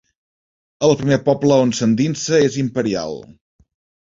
El primer poble on s'endinsa és Imperial.